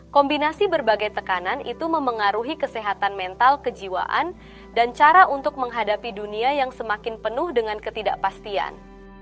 kombinasi berbagai tekanan itu memengaruhi kesehatan mental kejiwaan dan cara untuk menghadapi dunia yang semakin penuh dengan ketidakpastian